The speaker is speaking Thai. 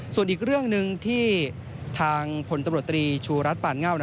ส่วนอีกเรื่องหนึ่งที่ทางพลตำรวจตรีชูรัฐปานเง่า